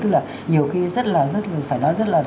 nhiều khi rất là phải nói rất là